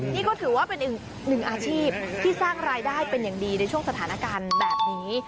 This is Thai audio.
นี่ก็ถือว่าเป็นอีกหนึ่งอาชีพที่สร้างรายได้เป็นอย่างดีในช่วงสถานการณ์แบบนี้